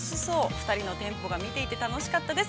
２人のテンポが見ていてよかったです。